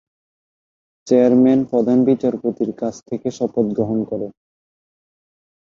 Chairman প্রধান বিচারপতির কাছ থেকে শপথ গ্রহণ করেন।